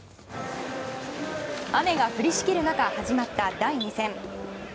雨が降りしきる中始まった第２戦。